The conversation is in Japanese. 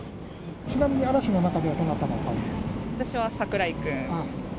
ちなみに、嵐の中ではどなたのフ私は櫻井君。